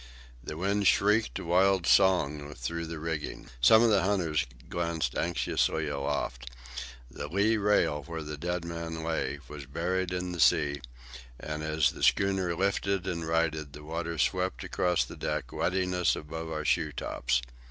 The wind shrieked a wild song through the rigging. Some of the hunters glanced anxiously aloft. The lee rail, where the dead man lay, was buried in the sea, and as the schooner lifted and righted the water swept across the deck wetting us above our shoe tops.